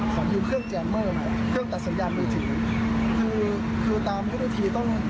ขอมูลเครื่องแจนเมอร์ใหม่เครื่องตัดสัญญาณมือถือคือคือตามเมื่อที่ต้อง